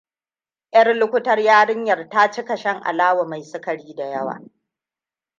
ʻYarlukutar yarinyar ta cika shan alawa mai sukari da yawa.